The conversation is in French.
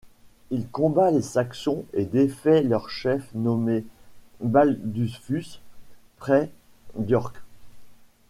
Il combat les saxons et défait leur chef nommé Baldulfus près d'York.